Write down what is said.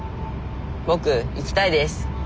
僕行きたいです。